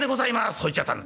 そう言っちゃったん」。